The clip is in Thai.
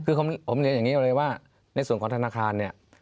คือผมเรียนอย่างนี้เลยว่าในส่วนของธนาคารเนี่ย